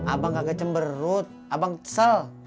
abang kagak cemberut abang kesel